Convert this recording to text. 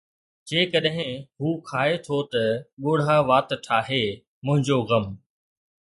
جيڪڏهن هو کائي ٿو ته ڳوڙها وات ٺاهي، منهنجو غم